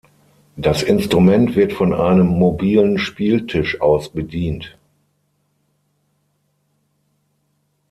Das Instrument wird von einem mobilen Spieltisch aus bedient.